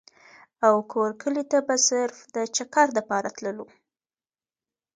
او کور کلي ته به صرف د چکر دپاره تللو ۔